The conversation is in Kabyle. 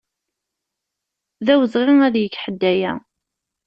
D awezɣi ad yeg ḥedd aya.